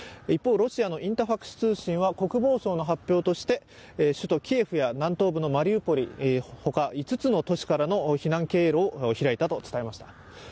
一方、ロシアのインタファクス通信は国防省の発表として首都キエフや南東部のマリウポリほか５つの都市からの避難経路を開いたと伝えました。